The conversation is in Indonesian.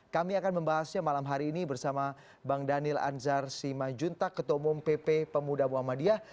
kami akan membahasnya malam hari ini bersama bang daniel anzar simanjuntak ketua umum pp pemuda muhammadiyah